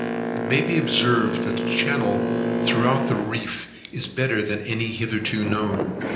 It may be observed, that the channel throughout the reef is better than any hitherto known.